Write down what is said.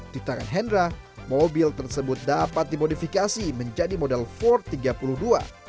di tangan hendra mobil tersebut dapat dimodifikasi menjadi modal empat tiga puluh dua